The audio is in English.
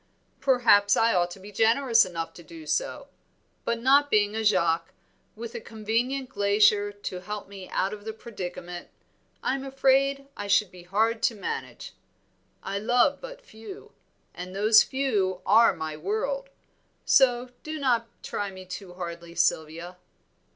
"Perhaps I ought to be generous enough to do so, but not being a Jaques, with a convenient glacier to help me out of the predicament, I am afraid I should be hard to manage. I love but few, and those few are my world; so do not try me too hardly, Sylvia."